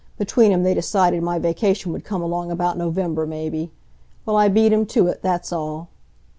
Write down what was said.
Between 'em, they decided my vacation would come along about November, maybe. Well, I beat 'em to it, that's all.